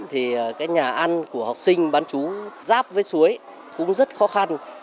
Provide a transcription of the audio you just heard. thì cái nhà ăn của học sinh bán chú giáp với suối cũng rất khó khăn